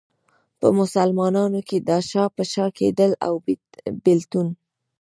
په مسلمانانو کې دا شا په شا کېدل او بېلتون.